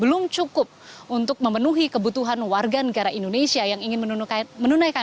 belum cukup untuk memenuhi kebutuhan warga negara indonesia yang ingin menunaikan